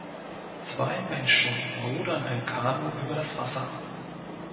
Zwei Menschen rudern ein Kanu über das Wasser.